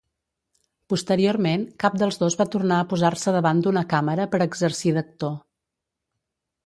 Posteriorment cap dels dos va tornar a posar-se davant d'una càmera per exercir d'actor.